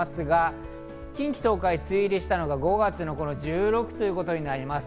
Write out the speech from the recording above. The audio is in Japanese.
近畿、東海、梅雨入りしたのが５月の１６ということになります。